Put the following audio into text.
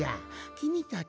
きみたち